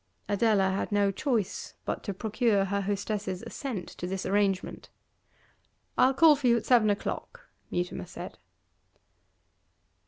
Adela had no choice but to procure her hostess's assent to this arrangement. 'I'll call for you at seven o'clock,' Mutimer said.